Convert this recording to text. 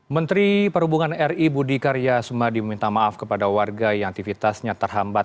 menteri perhubungan ri budi karya sumadi meminta maaf kepada warga yang aktivitasnya terhambat